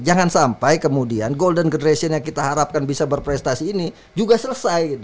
jangan sampai kemudian golden generation yang kita harapkan bisa berprestasi ini juga selesai